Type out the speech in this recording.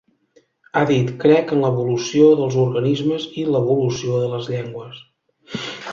Ha dit: Crec en l’evolució dels organismes i l’evolució de les llengües.